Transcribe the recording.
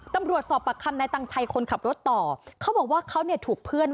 ตำรวจสอบปากคำนายตังชัยคนขับรถต่อเขาบอกว่าเขาเนี่ยถูกเพื่อน